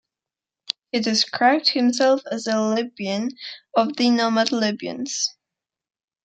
He described himself as a Libyan of the nomad Libyans.